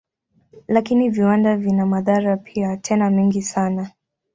Lakini viwanda vina madhara pia, tena mengi sana.